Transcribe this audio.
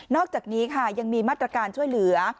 อกจากนี้ค่ะยังมีมาตรการช่วยเหลือ